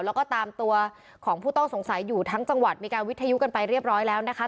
แล้วก็ตามตัวของผู้ต้องสงสัยอยู่ทั้งจังหวัดมีการวิทยุกันไปเรียบร้อยแล้วนะคะ